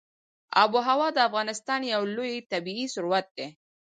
آب وهوا د افغانستان یو لوی طبعي ثروت دی.